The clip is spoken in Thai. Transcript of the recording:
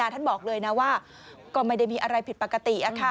ท่านบอกเลยนะว่าก็ไม่ได้มีอะไรผิดปกติ